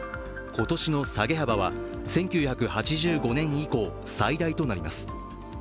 今年の下げ幅は１９８５年以降最大となります。